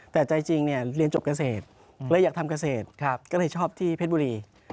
แต่ใจจริงเนี่ยเรียนจบเกษตรเลยอยากทำเกษตรก็เลยชอบที่เพชรบุรี